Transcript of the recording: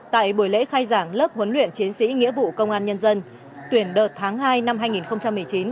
tại buổi lễ khai giảng lớp huấn luyện chiến sĩ nghĩa vụ công an nhân dân tuyển đợt tháng hai năm hai nghìn một mươi chín